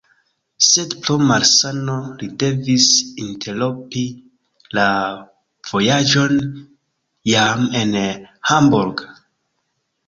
Sed pro malsano li devis interrompi la vojaĝon jam en Hamburg.